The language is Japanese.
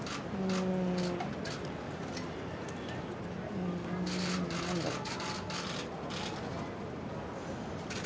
うん何だろう。